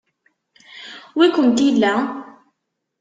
Wi kumt-illa?